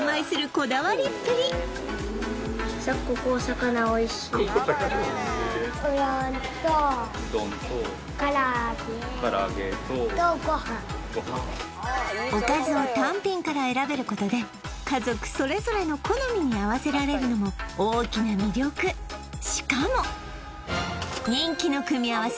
こだわりっぷりおかずを単品から選べることで家族それぞれの好みに合わせられるのも大きな魅力しかも人気の組み合わせ